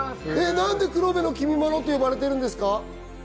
何で黒部のきみまろって呼ばれてるんですか？